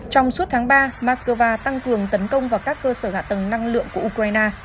trong suốt tháng ba moscow tăng cường tấn công vào các cơ sở hạ tầng năng lượng của ukraine